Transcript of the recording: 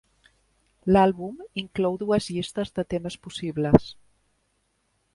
L'àlbum inclou dues llistes de temes possibles.